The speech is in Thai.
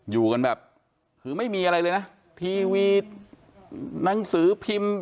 อยู่กันแบบคือไม่มีอะไรเลยนะทีวีหนังสือพิมพ์